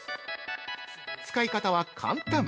使い方は簡単。